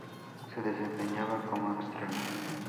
Se desempeñaba como extremo.